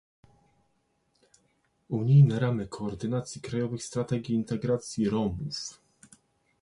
Unijne ramy koordynacji krajowych strategii integracji Romów